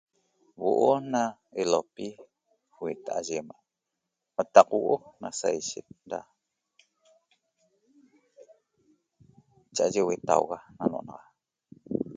Huo'o na ilopi hueta'a ye ima' qataq huoo' na saishet ra cha'aye huetauga na no'onaxa